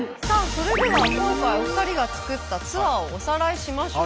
それでは今回お二人が作ったツアーをおさらいしましょう。